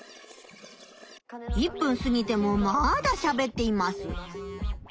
１分すぎてもまだしゃべっています。